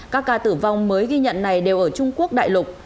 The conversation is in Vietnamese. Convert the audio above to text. các ca tử vong mới ghi nhận này đều ở trung quốc đại lục